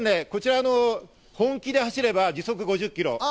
本気で走れば時速５０キロ。